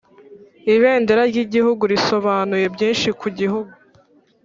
Ibendera ryigihugu risobanuye byinshi kugihugu